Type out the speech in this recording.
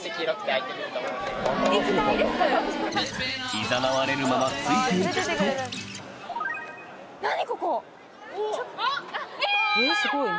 いざなわれるままついていくとこんばんは！